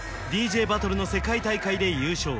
ＤＪバトルの世界大会で優勝